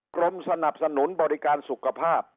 กรมสนับสนุนบริการสุขภาพ